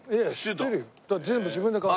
だって全部自分で買う。